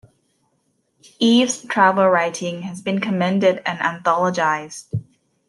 Eaves' travel writing has been commended and anthologized.